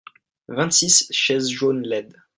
vingt six chaises jaunes laides.